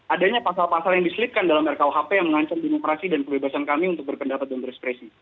adanya pasal pasal yang diselipkan dalam rkuhp yang mengancam demokrasi dan kebebasan kami untuk berpendapat dan berespresi